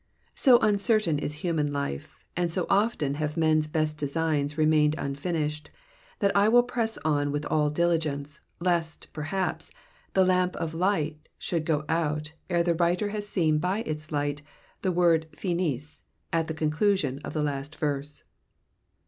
So uncertain is human life, and so often have men's best designs remained unfinished, that I will press on with all diligence, lest, perhaps, the lamp of life should go out ere the writer has seen by its light the word FiNiS at the conclusion of the last verse.